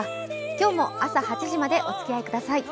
今日も朝８時までおつきあいください。